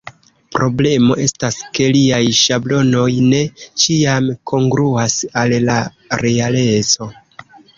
Problemo estas ke liaj ŝablonoj ne ĉiam kongruas al la realeco.